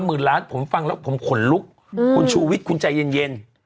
หมื่นล้านผมฟังแล้วผมขนลุกคุณชูวิทย์คุณใจเย็น